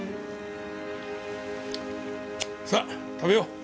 さあ食べよう。